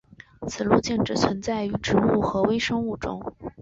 此路径只存在于植物和微生物中。